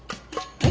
え？